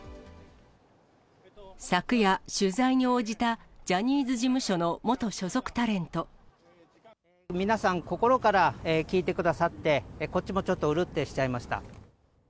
昨夜、取材に応じたジャニー皆さん、心から聞いてくださって、こっちもちょっとうるってしちゃいました。